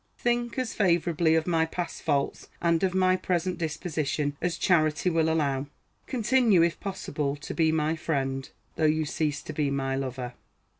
Think as favorably of my past faults and of my present disposition as charity will allow. Continue, if possible, to be my friend, though you cease to be my lover.